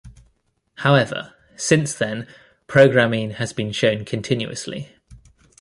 However, since then programming has been shown continuously.